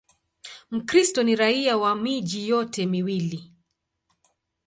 Mkristo ni raia wa miji yote miwili.